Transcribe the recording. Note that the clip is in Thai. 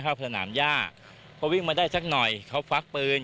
เข้าสนามย่าพอวิ่งมาได้สักหน่อยเขาฟักปืน